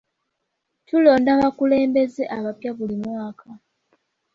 Tulonda abakulembeze abapya buli mwaka.